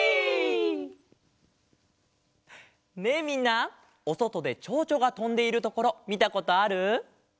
みんなおそとでちょうちょがとんでいるところみたことある？